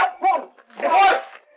apa gak tau nih gue ada disini